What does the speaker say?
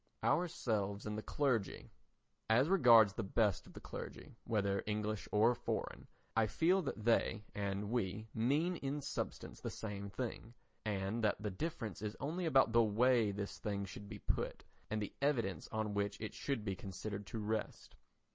Ourselves and the Clergy As regards the best of the clergy, whether English or foreign, I feel that they and we mean in substance the same thing, and that the difference is only about the way this thing should be put and the evidence on which it should be considered to rest.